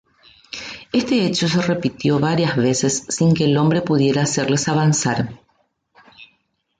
Este hecho se repitió varias veces sin que el hombre pudiera hacerles avanzar.